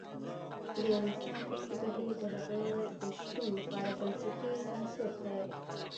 د يو انسان فکري بهير د هغه د شتون لپاره بنسټیز عنصر دی.